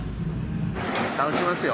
倒しますよ。